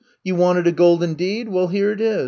You wanted a golden deed. Well, here it is.